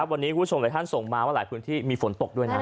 วันนี้คุณผู้ชมหลายท่านส่งมาว่าหลายพื้นที่มีฝนตกด้วยนะ